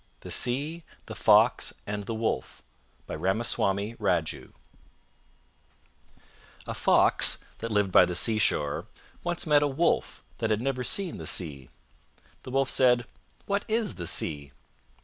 THE SEA, THE FOX, AND THE WOLF By Ramaswami Raju A fox that lived by the seashore once met a Wolf that had never seen the Sea. The Wolf said, "What is the Sea?"